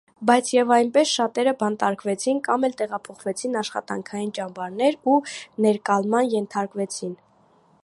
Բայցևայնպես շատերը բանտարկվեցին կամ էլ տեղափոխվեցին աշխատանքային ճամբարներ ու ներկալման ենթարկվեցին։